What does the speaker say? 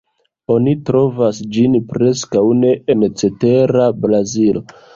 Oni trovas ĝin preskaŭ ne en cetera Brazilo.